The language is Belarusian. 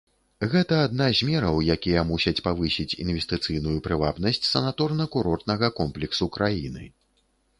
Гэта адна з мераў, якія мусяць павысіць інвестыцыйную прывабнасць санаторна-курортнага комплексу краіны.